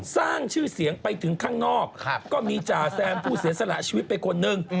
สร้างชื่อเสียงไปถึงข้างนอกก็มีจ่าแซมผู้เสียสละชีวิตไปคนนึง